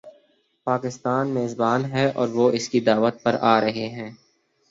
پاکستان میزبان ہے اور وہ اس کی دعوت پر آ رہے ہیں۔